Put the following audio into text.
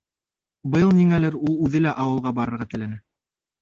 Быйыл ниңәлер ул үҙе лә ауылға барырға теләне.